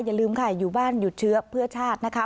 อย่าลืมค่ะอยู่บ้านหยุดเชื้อเพื่อชาตินะคะ